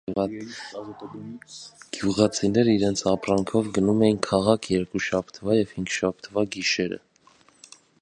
Գյուղացիները իրենց ապրանքով գնում էին քաղաք երկուշաբթվա և հինգշաբթվա գիշերը։